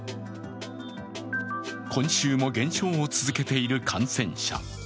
今週も減少を続けている感染者。